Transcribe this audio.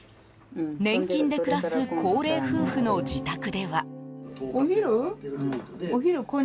年金で暮らす高齢夫婦の自宅では。